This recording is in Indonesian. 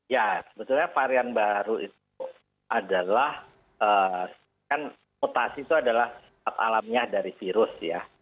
ya sebetulnya varian baru itu adalah kan mutasi itu adalah alamnya dari virus ya